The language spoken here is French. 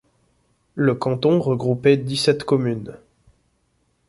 Le canton regroupait dix-sept communes.